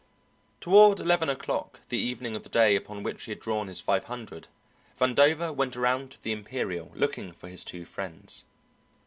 Toward eleven o'clock the evening of the day upon which he had drawn his five hundred, Vandover went around to the Imperial looking for his two friends.